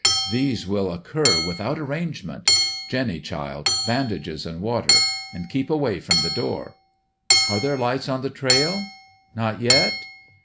These will occur without arrangement. ... Jinny, child bandages an' water! And keep away from the door. ... Are there lights on the trail? Not yet?